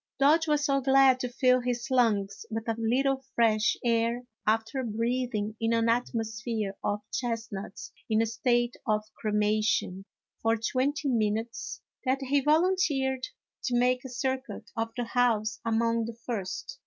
Dodge was so glad to fill his lungs with a little fresh air after breathing in an atmosphere of chestnuts in a state of cremation for twenty minutes, that he vol A HALLOWE'EN PARTY. 24! unteered to make a circuit of the house among the first.